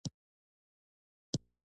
ښوونځي ته کالي باید په ځانګړي ډول واغوندئ.